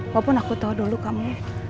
walaupun aku tahu dulu kamu